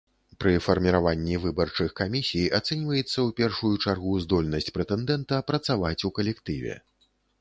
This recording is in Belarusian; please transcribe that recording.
Пры фарміраванні выбарчых камісій ацэньваецца ў першую чаргу здольнасць прэтэндэнта працаваць у калектыве.